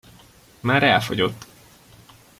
Már elfogyott!